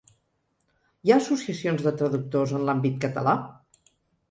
Hi ha associacions de traductors en l’àmbit català?